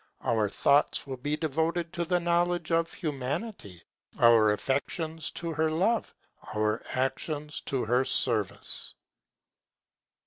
Our thoughts will be devoted to the knowledge of Humanity, our affections to her love, our actions to her service.